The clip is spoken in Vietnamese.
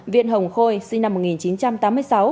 viên hồng khôi sinh năm một nghìn chín trăm tám mươi sáu